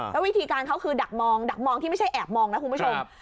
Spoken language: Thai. แล้ววิธีการเขาคือดักมองดักมองที่ไม่ใช่แอบมองนะคุณผู้ชม